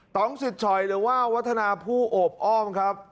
ต้องสิทธิ์ชอยหรือว่าวัฒนาผู้โอบอ้อมครับ